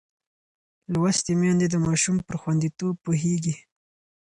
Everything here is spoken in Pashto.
لوستې میندې د ماشوم پر خوندیتوب پوهېږي.